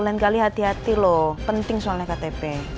lain kali hati hati loh penting soalnya ktp